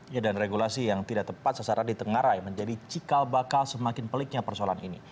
ya dan regulasi yang tidak tepat sasaran di tengah rai menjadi cikal bakal semakin peliknya persoalan ini